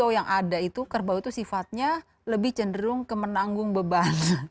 yang ada itu kerbau itu sifatnya lebih cenderung ke menanggung beban